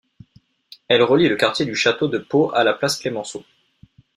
Elle relie le quartier du château de Pau à la place Clemenceau.